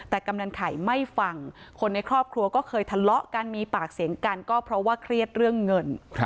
แต่กำนันไข่ไม่ฟังคนในครอบครัวก็เคยทะเลาะกันมีปากเสียงกันก็เพราะว่าเครียดเรื่องเงิน